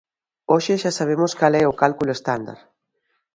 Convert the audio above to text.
Hoxe xa sabemos cal é o cálculo estándar.